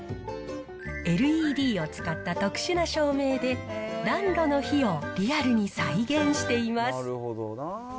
ＬＥＤを使った特殊な照明で、暖炉の火をリアルに再現しています。